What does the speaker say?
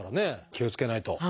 気をつけないと。